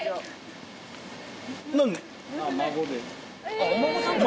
あっお孫さん？